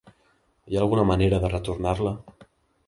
Hi ha alguna manera de retornar-la?